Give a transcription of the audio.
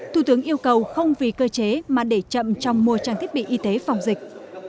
thủ tướng yêu cầu không vì cơ chế mà để chậm trong mùa trang thiết bị y tế phòng dịch